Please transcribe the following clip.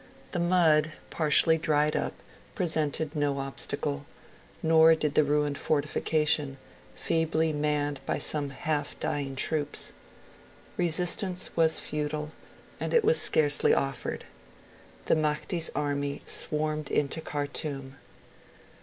The mud, partially dried up, presented no obstacle; nor did the ruined fortification, feebly manned by some half dying troops. Resistance was futile, and it was scarcely offered: the Mahdi's army swarmed into Khartoum.